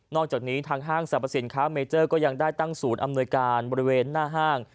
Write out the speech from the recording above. อกจากนี้ทางห้างสรรพสินค้าเมเจอร์ก็ยังได้ตั้งศูนย์อำนวยการบริเวณหน้าห้าง